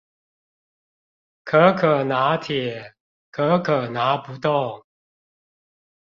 可可拿鐵，可可拿不動